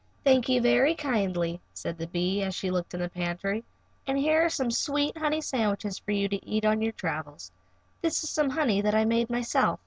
"Thank you very kindly," said the bee, as she looked in the pantry, "and here are some sweet honey sandwiches for you to eat on your travels. This is some honey that I made myself."